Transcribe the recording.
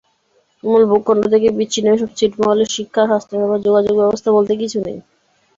মূল ভূখণ্ড থেকে বিচ্ছিন্ন এসব ছিটমহলে শিক্ষা, স্বাস্থ্যসেবা, যোগাযোগব্যবস্থা বলতে কিছু নেই।